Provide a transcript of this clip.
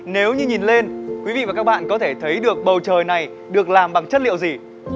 nếu như nhìn lên quý vị và các bạn có thể thấy được bầu trời này được làm bằng chất liệu gì